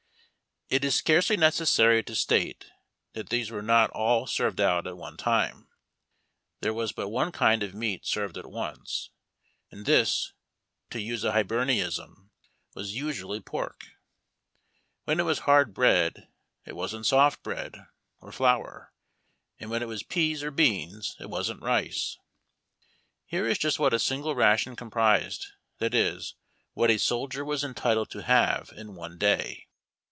It is scarcely necessary to state that these were not all served out at one time. There was but one kind of meat served at once, and this, to use a Hibernianism, was usually THE UNION VOLUNTEER SALOON, PHILADELPHIA. pork. When it was hard bread, it wasn't soft bread or flour, and when it was pease or beans it wasn't rice. Here is just what a single ration comprised, that is, what a soldier was entitled to have in one day.